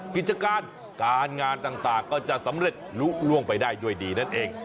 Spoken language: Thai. กิจการการงานต่างก็จะสำเร็จลุล่วงไปได้ด้วยดีนั่นเอง